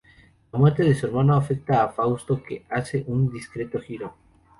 La muerte de su hermano afecta a Fausto que hace un discreto Giro.